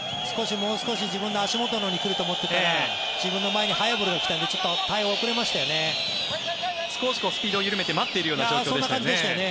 もう少し自分の足元のほうに来ると思っていたら自分の前に速いボールが来たので少しスピードを緩めて待っているような状況でしたよね。